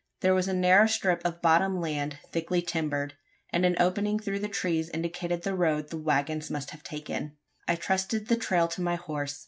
There was a narrow strip of bottom land thickly timbered; and an opening through the trees indicated the road that the waggons must have taken. I trusted the trail to my horse.